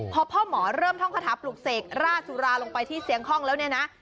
พอพ่อหมอเริ่มท่องคาถาปลุกเสกร่าสุราลงไปที่เสียงคล่องแล้วเนี่ยนะ